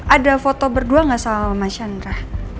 ada foto berdua gak sama sama sandra